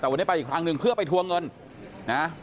แต่วันนี้ไปอีกครั้งหนึ่งเพื่อไปทวงเงินนะ